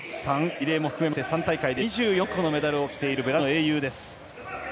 リレーも含めまして３大会で２４個のメダルを獲得しているブラジルの英雄です。